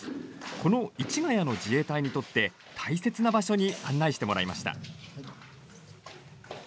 この市ヶ谷の自衛隊にとって大切な場所に案内してもらいました。